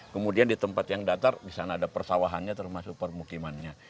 kemudian di tempat yang datar di sana ada persawahannya termasuk permukimannya